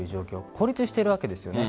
孤立しているわけですよね。